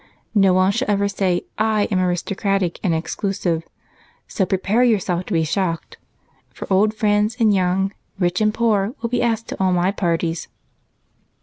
No one shall ever say I am aristocratic and exclusive so prepare yourself to be shocked, for old friends and young, rich and poor, will be asked to all my parties."